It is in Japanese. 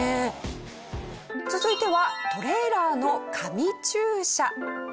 続いてはトレーラーの神駐車。